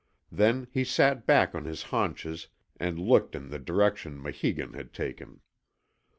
Then he sat back on his haunches and looked in the direction Maheegun had taken.